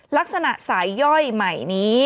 ลักษณะสายย่อยใหม่นี้